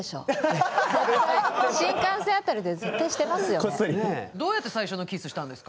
新幹線あたりで絶対してますよね。